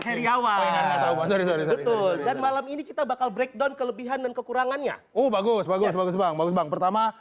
seriawan malam ini kita bakal breakdown kelebihan dan kekurangannya oh bagus bagus bagus bang pertama